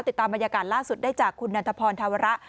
ติดตามบรรยากาศล่าสุดได้จากคุณนันทพรธาวระ